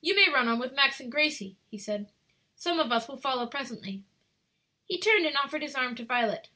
"You may run on with Max and Grace," he said; "some of us will follow presently." He turned and offered his arm to Violet.